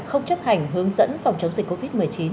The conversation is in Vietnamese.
không chấp hành hướng dẫn phòng chống dịch covid một mươi chín